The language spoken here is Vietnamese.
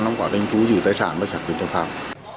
trong quá trình thu dự tài sản và xác minh tài sản